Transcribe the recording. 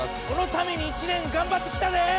このために１年がんばってきたで！